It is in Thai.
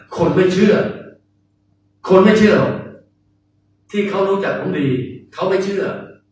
คนไม่เชื่อคนไม่เชื่อที่เขารู้จักผมดีเขาไม่เชื่อ